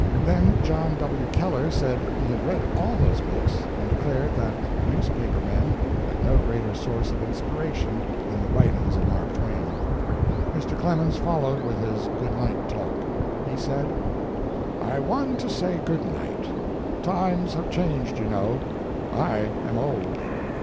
Then John W. Keller said he had read all those books, and declared that newspaper men had no greater source of inspiration than the writings of Mark Twain. Mr. Clemens followed with is goodnight talk. He said: "I want to say good night. Times have changed, you know. I am old.